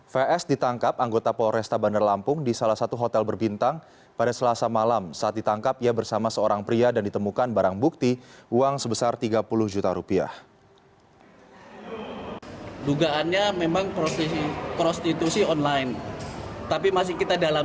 vs ditangkap anggota polresta bandar lampung di salah satu hotel berbintang pada selasa malam saat ditangkap ia bersama seorang pria dan ditemukan barang bukti uang sebesar tiga puluh juta rupiah